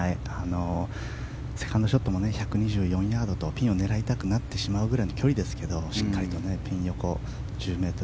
セカンドショットも１２４ヤードとピンを狙いたくなってしまう距離ですがしっかりとピン横１０ｍ